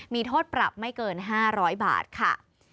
มีโทษปรับไม่เกิน๕๐๐บาทค่ะ